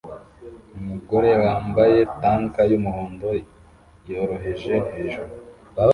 Umugore wambaye tank yumuhondo yoroheje hejuru